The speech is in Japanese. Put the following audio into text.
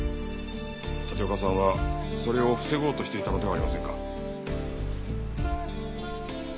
立岡さんはそれを防ごうとしていたのではありませんか？